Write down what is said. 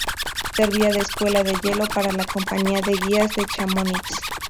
Servía de escuela de hielo para la compañía de guías de Chamonix.